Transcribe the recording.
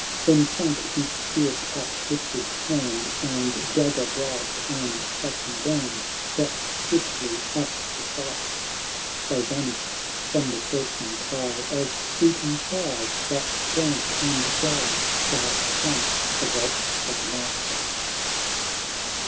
Then sunk each fierce up lifted hand, And dagger bright and flashing brand Dropped swiftly at the sight ; They vanished from the churchman's eye, As shooting stars, that glance and die, Dart from the vault of night.